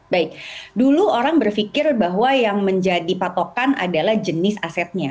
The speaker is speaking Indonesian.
baik dulu orang berpikir bahwa yang menjadi patokan adalah jenis asetnya